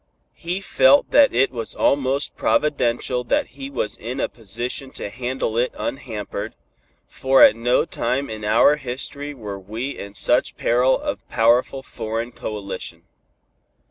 He felt that it was almost providential that he was in a position to handle it unhampered, for at no time in our history were we in such peril of powerful foreign coalition.